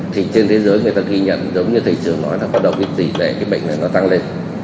thì trên thế giới người ta ghi nhận giống như thầy trưởng nói là có đồng ít tỷ để cái bệnh này nó tăng lên